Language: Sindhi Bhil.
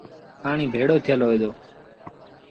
پآڻيٚ ڀيڙو ٿيٚل هوئي دو۔